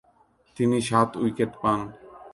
তিনি সাত উইকেট পান।